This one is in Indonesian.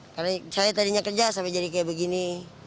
karena saya tadinya kerja sampai jadi kayak begini